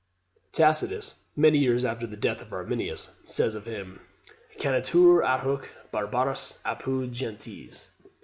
Tacitus, many years after the death of Arminius, says of him, "Canitur adhuc barbaras apud gentes."